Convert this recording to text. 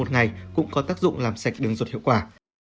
một ngày cũng có tác dụng làm sạch đường ruột hiệu quả